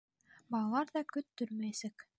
Балалар ҙа көттөрмәйәсәк.